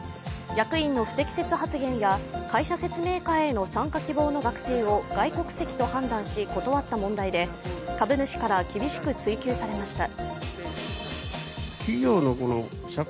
役員の不適切発言や会社説明会への参加希望の学生を外国籍と判断し断った問題で、株主から厳しく追及されました。